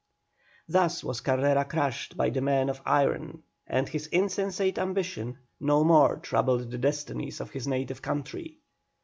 Thus was Carrera crushed by the man of iron, and his insensate ambition no more troubled the destinies of his native country.